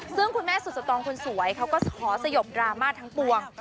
ซึ่งคุณแม่สุดสตองคนสวยเขาก็ขอสยบดราม่าทั้งปวง